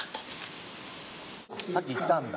さっき行ったんだ。